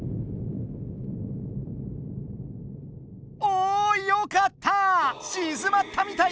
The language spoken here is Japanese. おおよかった！